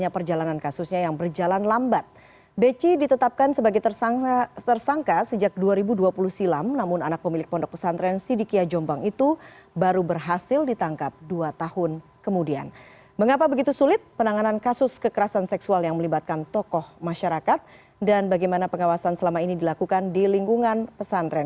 penanganan kasus kekerasan seksual yang melibatkan tokoh masyarakat dan bagaimana pengawasan selama ini dilakukan di lingkungan pesantren